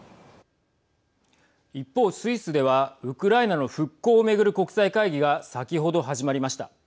一方、スイスではウクライナの復興を巡る国際会議が先ほど始まりました。